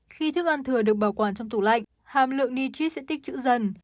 khi thức ăn thừa được bảo quản trong tủ lạnh hàm lượng nitrit sẽ tích trữ dần